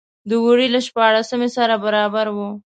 د وري له شپاړلسمې سره برابره وه.